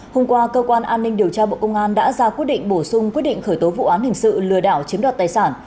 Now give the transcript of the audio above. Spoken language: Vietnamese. hôm qua cơ quan an ninh điều tra bộ công an đã ra quyết định bổ sung quyết định khởi tố vụ án hình sự lừa đảo chiếm đoạt tài sản